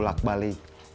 ongkosnya sepuluh ribu